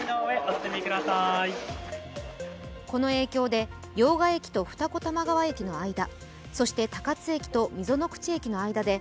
この影響で用賀駅と二子玉川駅の間、そして、高津駅と溝の口駅の間で、